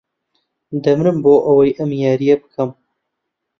دەمرم بۆ ئەوەی ئەم یارییە بکەم.